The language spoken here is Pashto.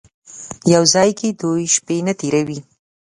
یو ځای کې دوې شپې نه تېروي.